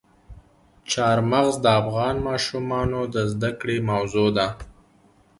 چار مغز د افغان ماشومانو د زده کړې موضوع ده.